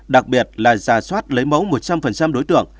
đặc biệt là giả soát lấy mẫu một trăm linh đối tượng